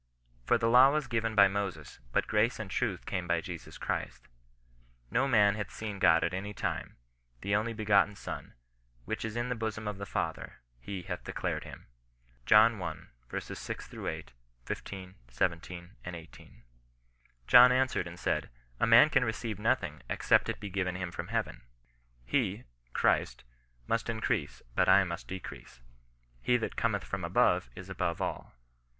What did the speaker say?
" For the law was given by Moses, but grace and truth came by Jesus Christ. No man hath seen God £rt any time ; the only begotten Son, which is in the bosom of the Father, he hath declared him." Johni. 6—8, 15, 17, 18. "John answered and said. A man can receive nothing, except it be given him from heaven." " He [Christ] must in crease, but I must decrease. He that cometh from above is above all."